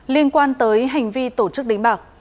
liên quan tới hành vi tổ chức đánh bạc